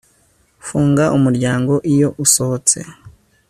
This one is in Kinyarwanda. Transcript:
Funga umuryango iyo usohotse